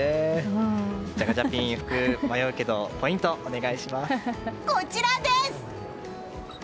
ガチャピン、服迷うけどこちらです！